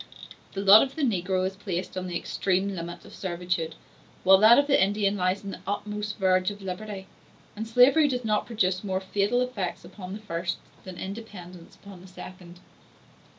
The lot of the negro is placed on the extreme limit of servitude, while that of the Indian lies on the uttermost verge of liberty; and slavery does not produce more fatal effects upon the first, than independence upon the second.